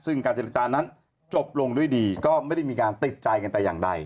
ซึ่งการเจรจานั้นจบลงด้วยดีก็ไม่ได้มีการติดใจกันแต่อย่างใด